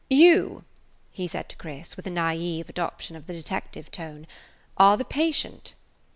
"You," he said to Chris, with a naive adoption of the detective tone, "are the patient."